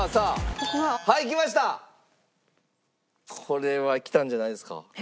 これはきたんじゃないですか？